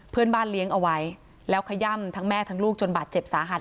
เพื่อนบ้านเลี้ยงเอาไว้แล้วขย่ำทั้งแม่ทั้งลูกจนบาดเจ็บสาหัส